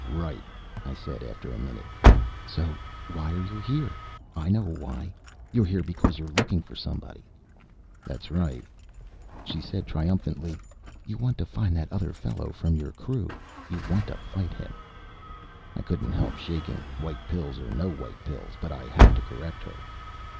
"Right," I said after a minute. "So why are you here? I know why. You're here because you're looking for somebody." "That's right." She said triumphantly, "You want to find that other fellow from your crew! You want to fight him!" I couldn't help shaking, white pills or no white pills. But I had to correct her.